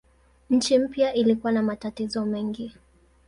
Nchi mpya ilikuwa na matatizo mengi.